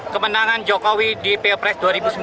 kemenangan jokowi di pilpres dua ribu sembilan belas